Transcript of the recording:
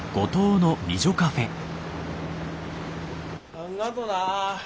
あんがとな。